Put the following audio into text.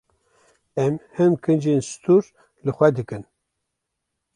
Em hin kincên stûr li xwe dikin.